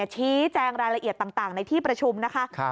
ชี้แจงรายละเอียดต่างในที่ประชุมนะคะ